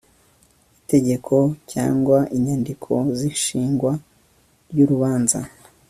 itegeko cyangwa inyandiko z ishingwa ry'urubanza